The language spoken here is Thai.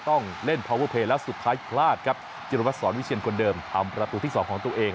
ต้องเล่นพาวเวอร์เพย์แล้วสุดท้ายพลาดครับจิรวัตรสอนวิเชียนคนเดิมทำประตูที่สองของตัวเอง